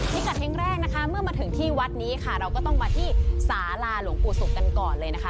พิกัดเฮ้งแรกนะคะเมื่อมาถึงที่วัดนี้ค่ะเราก็ต้องมาที่สาลาหลวงปู่ศุกร์กันก่อนเลยนะคะ